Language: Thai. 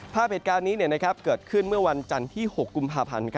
ภาพเหตุการณ์นี้เกิดขึ้นเมื่อวันจันทร์ที่๖กุมภาพันธ์